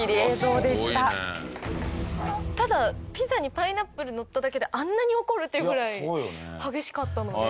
ただピザにパイナップルのっただけであんなに怒る？っていうぐらい激しかったので。